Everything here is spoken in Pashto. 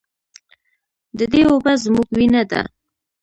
د دې اوبه زموږ وینه ده؟